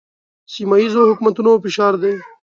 سیمه ییزو حکومتونو فشار دی.